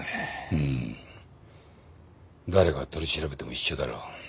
うん誰が取り調べても一緒だろう